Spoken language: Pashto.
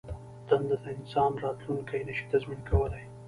دنده د انسان راتلوونکی نه شي تضمین کولای.